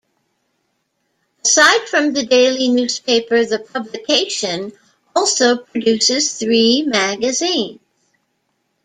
Aside from the daily newspaper, the publication also produces three magazines.